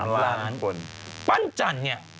๓ล้านปั้นจันทร์เนี่ย